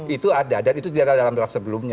itu ada dan itu tidak ada dalam draft sebelumnya